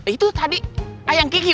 itu tadi ayang kiki